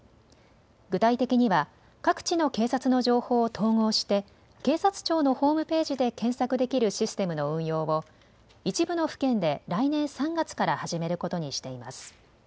具体的には各地の警察の情報を統合して警察庁のホームページで検索できるシステムの運用を一部の府県で来年３月から始めることにしています。